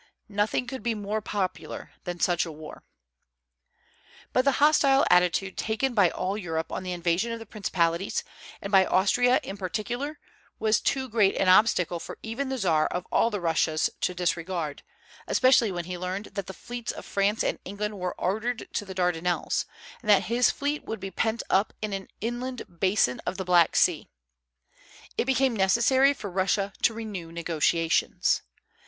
Nothing could be more popular than such a war. But the hostile attitude taken by all Europe on the invasion of the principalities, and by Austria in particular, was too great an obstacle for even the Czar of all the Russias to disregard, especially when he learned that the fleets of France and England were ordered to the Dardanelles, and that his fleet would be pent up in an inland basin of the Black Sea. It became necessary for Russia to renew negotiations.